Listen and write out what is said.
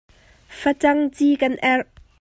Facang ci kan erh.